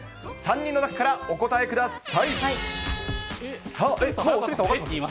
３人の中からお答えください。